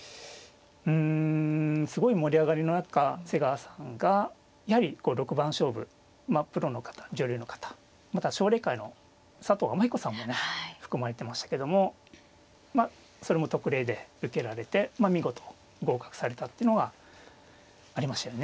うんすごい盛り上がりの中瀬川さんがやはり６番勝負プロの方女流の方また奨励会の佐藤天彦さんもね含まれてましたけどもまあそれも特例で受けられて見事合格されたってのがありましたよね。